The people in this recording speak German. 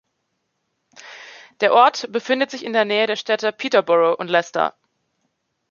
Der Ort befindet sich in der Nähe der Städte Peterborough und Leicester.